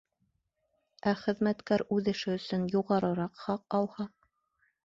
Ә хеҙмәткәр үҙ эше өсөн юғарыраҡ хаҡ алһа?